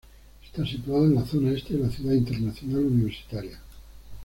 Está situada en la zona este de la Ciudad Internacional Universitaria.